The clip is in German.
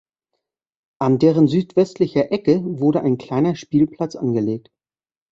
An deren südwestlicher Ecke wurde ein kleiner Spielplatz angelegt.